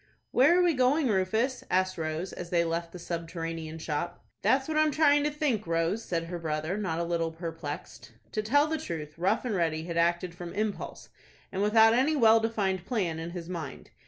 "Where are we going, Rufus?" asked Rose, as they left the subterranean shop. "That's what I'm trying to think, Rose," said her brother, not a little perplexed. To tell the truth, Rough and Ready had acted from impulse, and without any well defined plan in his mind.